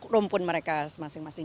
rumpun mereka masing masing